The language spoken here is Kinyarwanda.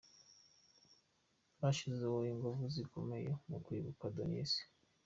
"Bashize mwo inguvu zikomeye mu kwibuka Denise".